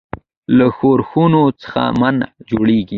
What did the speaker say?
له ښورښونو څخه منع کړي.